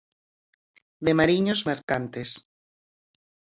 De mariños mercantes.